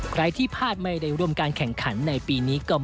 ใครที่พลาดไม่ได้ร่วมการแข่งขันในปีนี้ก็